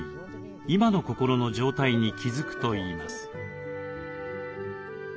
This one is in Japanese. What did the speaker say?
今の心の状態に気付くといいます。